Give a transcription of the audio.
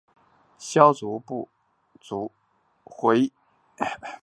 萧族部族回鹘裔。